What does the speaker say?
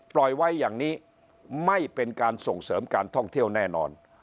ปล่อยไว้อย่างนี้ไม่เป็นการส่งเสริมการท่องเที่ยวแน่นอน